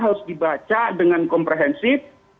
harus dibaca dengan komprehensif